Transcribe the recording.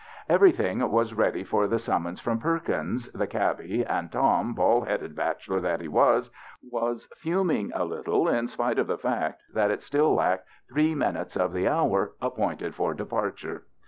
Everything was ready for the sum mons from Perkins, the cabby, and Tom, bald headed bachelor that he was, was fum ing a little in spite of the fact that it still lacked three minutes of the hour appointed for departure.